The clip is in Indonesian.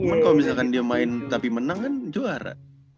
cuman kalo misalkan dia main tapi menang kan juara